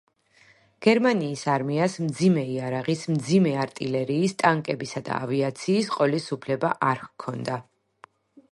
გერმანიის არმიას მძიმე იარაღის, მძიმე არტილერიის, ტანკების და ავიაციის ყოლის უფლება არ ჰქონდა.